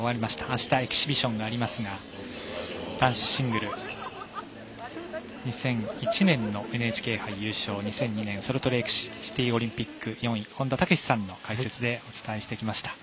あしたエキシビションがありますが男子シングル２００１年のＮＨＫ杯優勝２００２年ソルトレークオリンピック４位の本田武史さんの解説でお伝えしてきました。